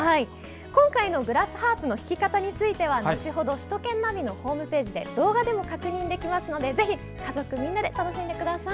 今回のグラスハープの弾き方については後ほど首都圏ナビのホームページで動画でも確認できますのでぜひ家族みんなで楽しんでみてください。